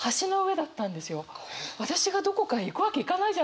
私がどこかへ行くわけいかないじゃないですか。